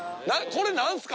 これ何すか？